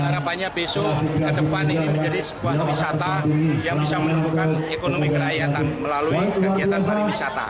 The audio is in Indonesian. harapannya besok ke depan ini menjadi sebuah wisata yang bisa menumbuhkan ekonomi kerakyatan melalui kegiatan pariwisata